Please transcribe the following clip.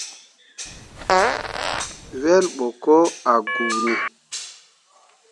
Wel ɓo ko ah guuni.